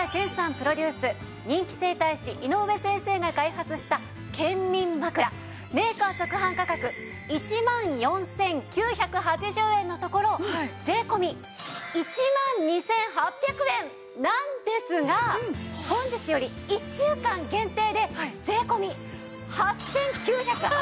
プロデュース人気整体師井上先生が開発した健眠枕メーカー直販価格１万４９８０円のところ税込１万２８００円なんですが本日より１週間限定で税込８９８０円です。